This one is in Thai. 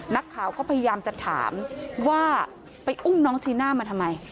นักข่าวก็พยายามจะถามว่าไปอุ้มน้องจีน่ามาทำไม